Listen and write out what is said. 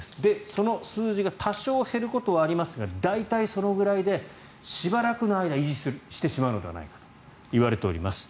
その数字が多少減ることはありますが大体そのぐらいでしばらくの間維持してしまうのではないかといわれております。